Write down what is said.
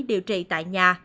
điều trị tại nhà